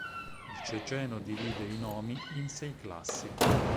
Il ceceno divide i nomi in sei classi.